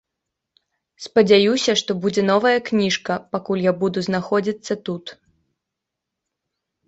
Спадзяюся, што будзе новая кніжка, пакуль буду знаходзіцца тут.